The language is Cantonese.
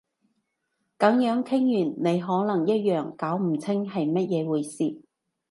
噉樣傾完你可能一樣搞唔清係乜嘢回事